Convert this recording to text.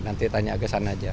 nanti tanya ke sana aja